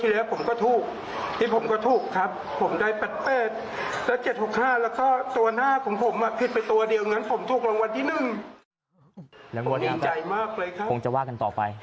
แล้วงวดยาห์แบบเหมือนจะว่ากันต่อไป